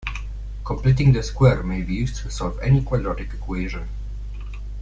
Completing the square may be used to solve any quadratic equation.